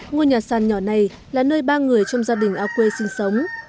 ngôi nhà sàn nhỏ này là nơi ba người trong gia đình ao quê sinh sống